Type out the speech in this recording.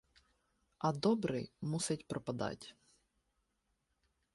А добрий мусить пропадать.